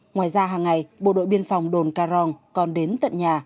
ngoài ra hàng ngày bộ đội biên phòng đồn caron còn đến tận nhà